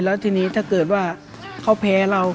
แล้วทีนี้ถ้าเกิดว่าเขาแพ้เรา